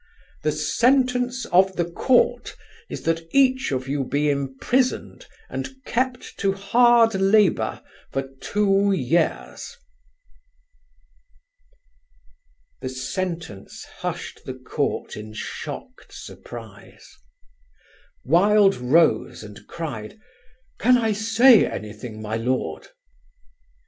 "The sentence of the court is that each of you be imprisoned and kept to hard labour for two years." The sentence hushed the court in shocked surprise. Wilde rose and cried, "Can I say anything, my lord?"